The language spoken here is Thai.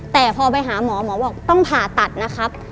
แต่พอไปหาหมอหมอบอกต้องผ่าตัดนะครับ